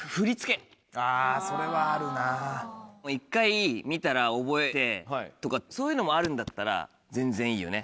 あぁそれはあるな。とかそういうのもあるんだったら全然いいよね。